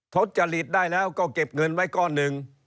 ทดจริตได้แล้วก็เก็บเงินไว้ก้อนหนึ่ง